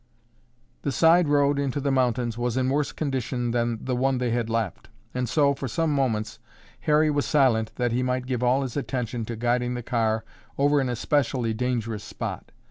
The side road into the mountains was in worse condition than the one they had left, and so, for some moments, Harry was silent that he might give all his attention to guiding the car over an especially dangerous spot.